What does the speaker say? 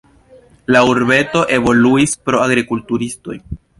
La urbeto evoluis pro agrikulturistoj.